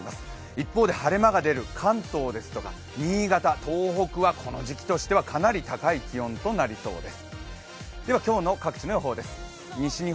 一方で晴れ間が出る関東ですとか新潟、東北はこの時期としてはかなり高い気温となりそうです。